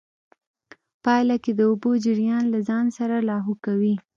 پايله کې د اوبو جريان له ځان سره لاهو کوي.